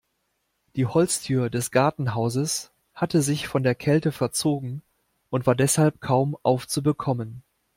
Die Holztür des Gartenhauses hatte sich von der Kälte verzogen und war deshalb kaum aufzubekommen.